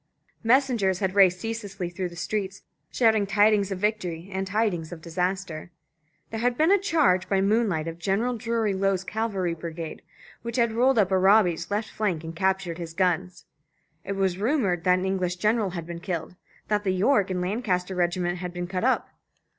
Messengers had raced ceaselessly through the streets, shouting tidings of victory and tidings of disaster. There had been a charge by moonlight of General Drury Lowe's Cavalry Brigade, which had rolled up Arabi's left flank and captured his guns. It was rumoured that an English general had been killed, that the York and Lancaster Regiment had been cut up.